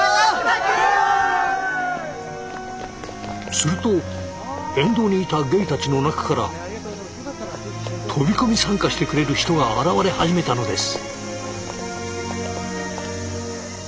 すると沿道にいたゲイたちの中から飛び込み参加してくれる人が現れ始めたのです。